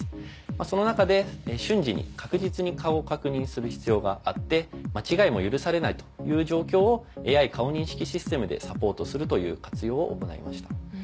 その中で瞬時に確実に顔を確認する必要があって間違いも許されないという状況をＡＩ顔認識システムでサポートするという活用を行いました。